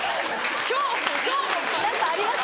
何かあります？